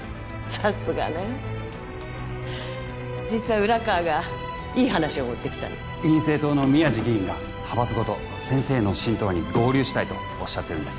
さすがね実は浦川がいい話を持ってきたの民政党の宮地議員が派閥ごと先生の新党に合流したいとおっしゃってるんです